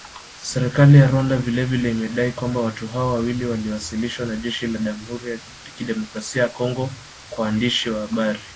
Serikali ya Rwanda vile vile imedai kwamba watu hao wawili walioasilishwa na jeshi la Jamhuri ya Kidemokrasia ya Kongo kwa waandishi wa habari